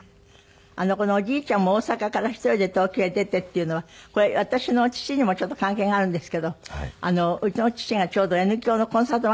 この「おじいちゃんも大阪から一人で東京へ出て」っていうのはこれ私の父にもちょっと関係があるんですけどうちの父がちょうどＮ響のコンサート